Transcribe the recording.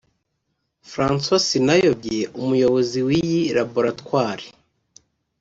François Sinayobye umuyobozi w’iyi laboratwari